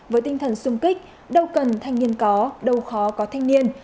với tinh thần sung kích đâu cần thanh niên có đâu khó có thanh niên